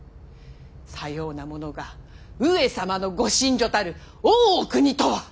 さようなものが上様のご寝所たる大奥にとは！